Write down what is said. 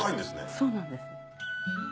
そうなんです。